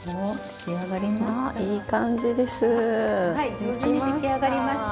上手に出来上がりました。